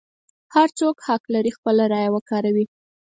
هر څوک حق لري خپله رایه وکاروي.